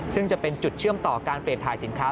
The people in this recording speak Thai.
ซึ่งจะเป็นจุดเชื่อมต่อการเปลี่ยนถ่ายสินค้า